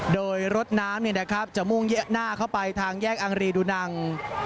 โดยรถน้ำจะมุ่งหน้าเข้าไปทางแยกอังรีดูนัง